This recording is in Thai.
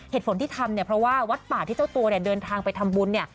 เหตุผลที่ทำเนี่ยเพราะว่าวัดป่าที่เจ้าตัวเนี่ยเดินทางไปทำบุญเนี่ย